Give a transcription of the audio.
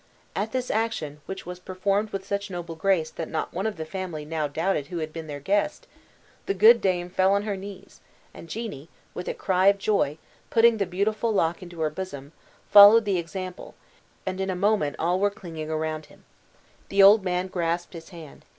At this action which was performed with such noble grace that not one of the family now doubted who had been their guest the good dame fell on her knees, and Jeannie, with a cry of joy, putting the beautiful lock into her bosom, followed the example, and in a woman all were clinging around him. The old man grasped his hand.